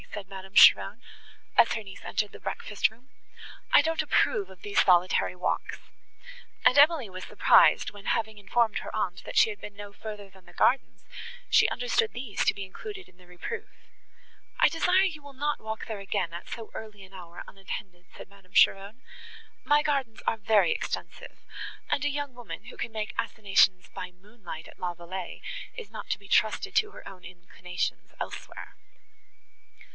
said Madame Cheron, as her niece entered the breakfast room. "I don't approve of these solitary walks." And Emily was surprised, when, having informed her aunt, that she had been no further than the gardens, she understood these to be included in the reproof. "I desire you will not walk there again at so early an hour unattended," said Madame Cheron; "my gardens are very extensive; and a young woman, who can make assignations by moonlight at La Vallée, is not to be trusted to her own inclinations elsewhere."